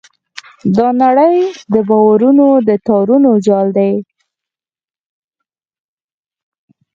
دا نړۍ د باورونو د تارونو جال دی.